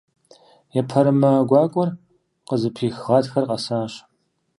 Епэрымэ гуакӀуэр къызыпих Гъатхэр къэсащ.